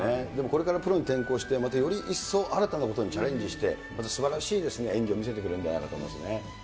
これからプロに転向して、またより一層、新たなことにチャレンジして、またすばらしい演技を見せてくれるんではないかと思いますね。